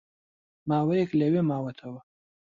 ماوەیەک لەوێ ماوەتەوە